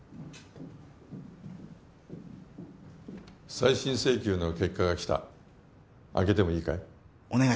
再審請求の結果が来た開けてもいいかい？